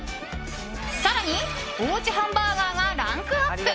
更に、おうちハンバーガーがランクアップ！